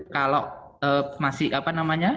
kalau masih apa namanya